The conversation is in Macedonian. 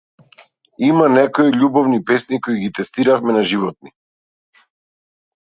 Има некои љубовни песни кои ги тестиравме на животни.